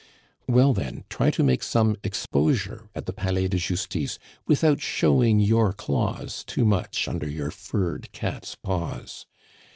"Well, then, try to make some exposure at the Palais de Justice without showing your claws too much under your furred cat's paws.